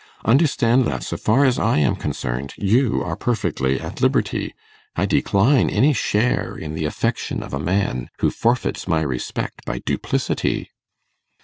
Understand that, so far as I am concerned, you are perfectly at liberty. I decline any share in the affection of a man who forfeits my respect by duplicity.